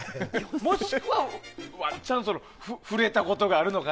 もしくは、ワンチャン触れたことがあるとか。